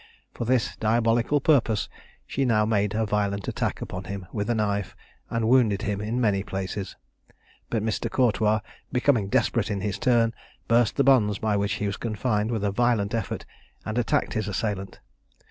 For this diabolical purpose, she now made a violent attack upon him with a knife, and wounded him in many places; but Mr. Cortois, becoming desperate in his turn, burst the bonds by which he was confined with a violent effort, and attacked his assailant.